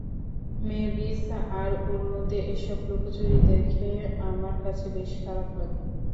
Mavis আর ওর মধ্যে এসব লুকোচুরি দেখে আমার কাছে বেশ খারাপ লাগে।